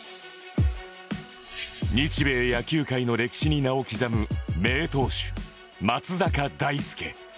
日米野球界の歴史に名を刻む名投手松坂大輔